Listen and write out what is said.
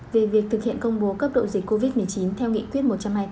về việc thực hiện công bố cấp độ dịch covid một mươi chín theo nghị quyết một trăm hai mươi tám